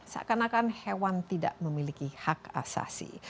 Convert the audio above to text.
seakan akan hewan tidak memiliki hak asasi